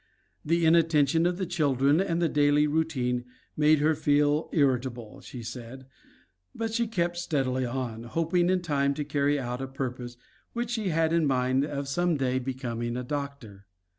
The inattention of the children and the daily routine made her feel irritable, she said, but she kept steadily on, hoping in time to carry out a purpose which she had in mind of some day becoming a doctor.